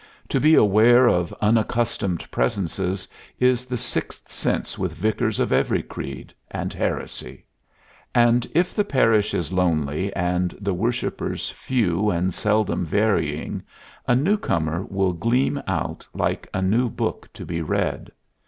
To be aware of unaccustomed presences is the sixth sense with vicars of every creed and heresy; and if the parish is lonely and the worshipers few and seldom varying, a newcomer will gleam out like a new book to be read.